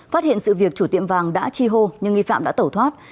phát hiện sự việc chủ tiệm vàng đã chi hô nhưng nghi phạm đã tẩu thoát